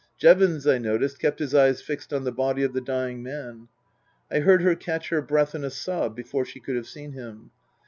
(Jevons, I noticed, kept his eyes fixed on the body of the dying man.) I heard her catch her breath in a sob before she could have seen him.